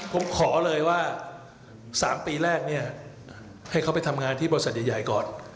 ผมขอเลยว่า๓ปีแรกเนี่ยให้เขาไปทำงานที่บริษัทใหญ่ก่อน